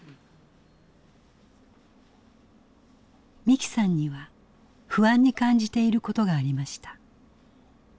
美紀さんには不安に感じていることがありました。